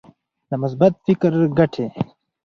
د مثبت فکر ګټې.